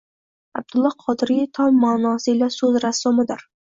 Abdulla Qodiriy tom ma’nosi ila so’z rassomidir.